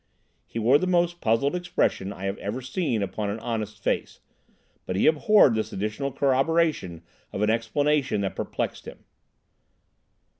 He wore the most puzzled expression I have ever seen upon an honest face, but he abhorred this additional corroboration of an explanation that perplexed him.